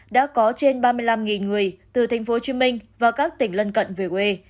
đã có trên ba mươi năm người từ tp hcm và các tỉnh lân cận về quê